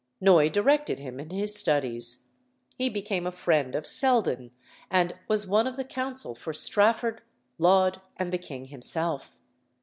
Noy directed him in his studies; he became a friend of Selden, and was one of the counsel for Strafford, Laud, and the king himself.